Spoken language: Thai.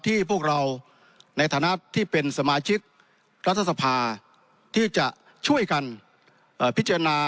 พวกเราในฐานะที่เป็นสมาชิกรัฐสภาที่จะช่วยกันพิจารณา